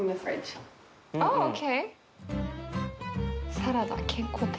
サラダ健康的。